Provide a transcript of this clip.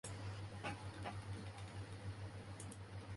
总裁为张安喜。